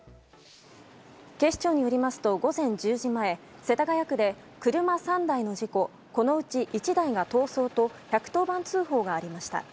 警視庁によりますと午前１０時前世田谷区で車３台の事故このうち１台が逃走と１１０番通報がありました。